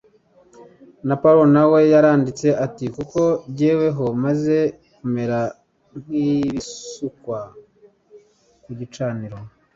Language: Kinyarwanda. Na Pawulo na we yaranditse ati : «Kuko jyeweho maze kumera nk'ibisukwa ku gicaniro,